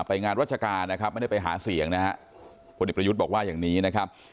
ไปงานราชการนะครับไม่ได้ไปหาเสียงนะฮะพลเอกประยุทธ์บอกว่าอย่างนี้นะครับ